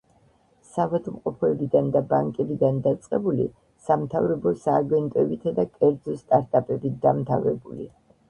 საავადმყოფოებიდან და ბანკებიდან დაწყებული, სამთავრობო სააგენტოებითა და კერძო სტარტაპებით დამთავრებული.